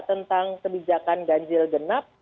tentang kebijakan ganjil genap